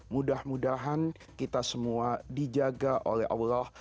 mudah mudahan kita semua dijaga oleh allah